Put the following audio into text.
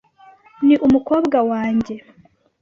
Ni umukobwa wanjye .